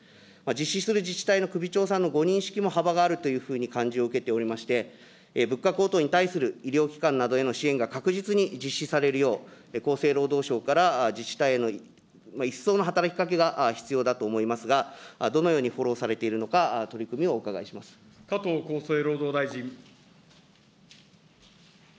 実施する自治体の首長さんのご認識も幅があるというふうに感じを受けておりまして、物価高騰に対する医療機関などへの支援が確実に実施されるよう、厚生労働省から自治体への一層の働きかけが必要だと思いますが、どのようにフォローされているのか、加藤厚生労働大臣。